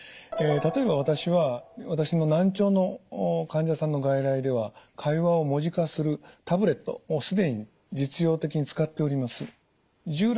例えば私は私の難聴の患者さんの外来では会話を文字化するタブレットもう既に実用的に使っております。